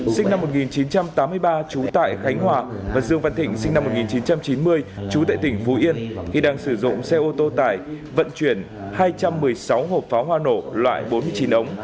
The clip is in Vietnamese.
sinh năm một nghìn chín trăm tám mươi ba trú tại khánh hòa và dương văn thịnh sinh năm một nghìn chín trăm chín mươi trú tại tỉnh phú yên khi đang sử dụng xe ô tô tải vận chuyển hai trăm một mươi sáu hộp pháo hoa nổ loại bốn mươi chín ống